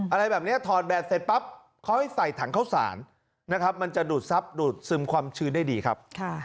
อะไรแบบนี้ถอดแบบเสร็จปั๊บเขาให้ใส่ถังเข้าสารนะครับมันจะดูดซับดูดซึมความชื้นได้ดีครับ